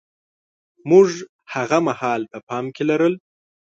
موږ هاغه مهال په پام کې لرل.